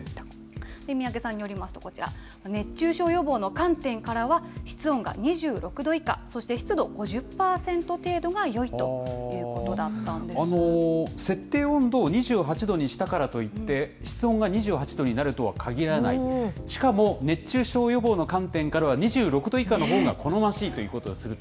三宅さんによりますと、こちら、熱中症予防の観点からは、室温が２６度以下、そして湿度５０％程設定温度を２７度にしたからといって、室温が２８度になるとはかぎらない、しかも熱中症予防の観点からは、２６度以下のほうが好ましいということとする。